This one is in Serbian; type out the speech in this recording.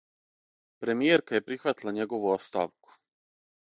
Премијерка је прихватила његову оставку.